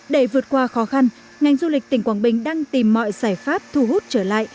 để vượt qua khó khăn ngành du lịch tỉnh quảng bình đang tìm mọi giải pháp thu hút trở lại